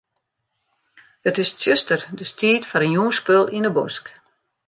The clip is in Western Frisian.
It is tsjuster, dus tiid foar in jûnsspul yn 'e bosk.